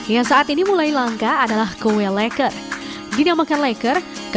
keklat meses nanas sosis dan masih banyak lagi